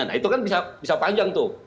nah itu kan bisa panjang tuh